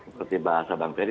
seperti bahasa bang ferry